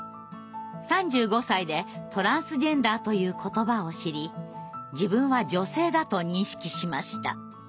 ３５歳でトランスジェンダーという言葉を知り自分は女性だと認識しました。